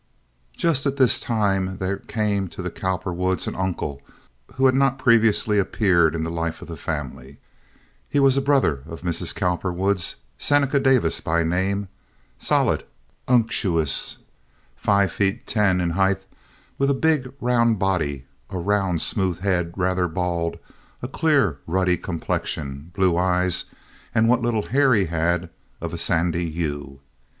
Just at this time there came to the Cowperwoods an uncle who had not previously appeared in the life of the family. He was a brother of Mrs. Cowperwood's—Seneca Davis by name—solid, unctuous, five feet ten in height, with a big, round body, a round, smooth head rather bald, a clear, ruddy complexion, blue eyes, and what little hair he had of a sandy hue.